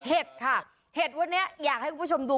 เห็ดค่ะเห็ดวันนี้อยากให้คุณผู้ชมดู